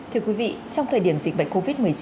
thưa quý vị trong thời điểm dịch bệnh covid một mươi chín